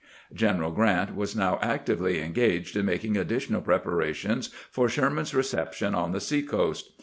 General Grant was now actively engaged in making additional preparations for Sherman's reception on the sea coast.